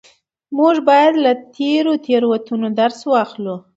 موږ بايد له تېرو تېروتنو درس واخلو.